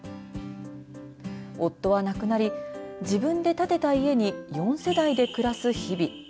夫は亡くなり自分で建てた家に４世代で暮らす日々。